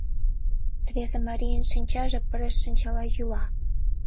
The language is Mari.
Рвезе марийын шинчаже пырыс шинчала йӱла.